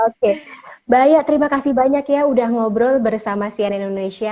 oke mbak aya terima kasih banyak ya udah ngobrol bersama sian indonesia